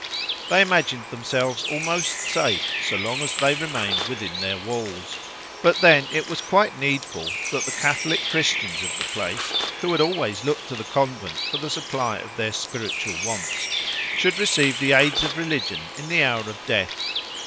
They imagined themselves almost safe so long as they remained within their walls; but then it was quite needful that the Catholic Christians of the place, who had always looked to the convent for the supply of their spiritual wants, should receive the aids of religion in the hour of death.